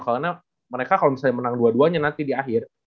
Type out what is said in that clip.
karena mereka kalau misalnya menang dua duanya nanti di akhir